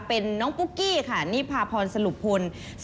เป็นน้องปุ๊กกี้ค่ะนิพาพรสรุปพล